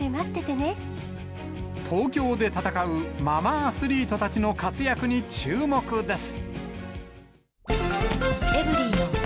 東京で戦うママアスリートたちの活躍に注目です。